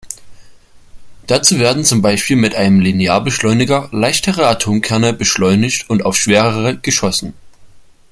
Dazu werden zum Beispiel mit einem Linearbeschleuniger leichtere Atomkerne beschleunigt und auf schwerere geschossen.